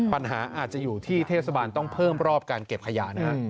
ปัญหาอาจจะอยู่ที่เทศบาลต้องเพิ่มรอบการเก็บขยะนะฮะ